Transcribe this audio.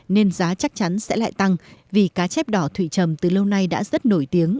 nên giá chắc chắn sẽ lại tăng vì cá chép đỏ thụy trầm từ lâu nay đã rất nổi tiếng